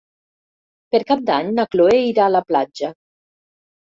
Per Cap d'Any na Cloè irà a la platja.